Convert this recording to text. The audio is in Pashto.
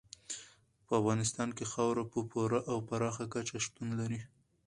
په افغانستان کې خاوره په پوره او پراخه کچه شتون لري.